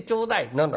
「何だ？